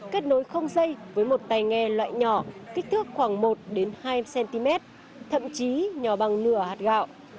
kết nối không dây với một tay nghe loại nhỏ kích thước khoảng một hai cm thậm chí nhỏ bằng nửa hạt gạo